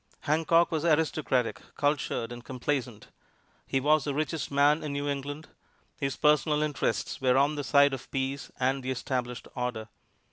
Hancock was aristocratic, cultured and complacent. He was the richest man in New England. His personal interests were on the side of peace and the established order.